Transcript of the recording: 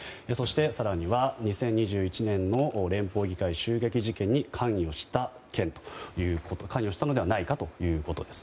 更には２０２１年の連邦議会襲撃事件に関与したのではないかということです。